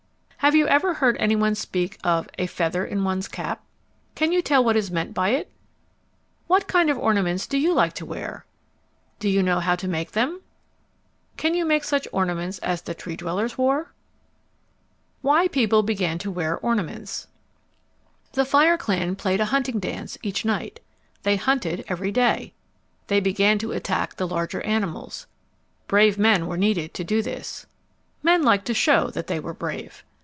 Have you ever heard any one speak of "a feather in one's cap"? Can you tell what is meant by it? What kind of ornaments do you like to wear? Do you know how to make them? Can you make such ornaments as the Tree dwellers wore? Why People Began to Wear Ornaments The fire clan played a hunting dance each night. They hunted every day. They began to attack the larger animals. Brave men were needed to do this. Men liked to show that they were brave.